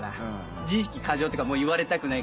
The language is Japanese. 自意識過剰とかもう言われたくないからさ。